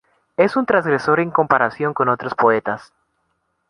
Es un transgresor en comparación con otros poetas.